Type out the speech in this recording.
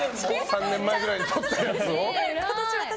３年前ぐらいに撮ったやつを？